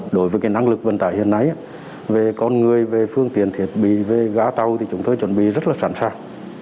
đối với cái năng lực vận tài hiện nay về con người về phương tiền thiệt bị về gá tàu thì chúng tôi chuẩn bị rất là sẵn sàng